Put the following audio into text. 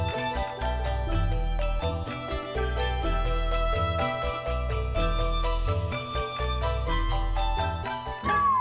kamu gak apa apa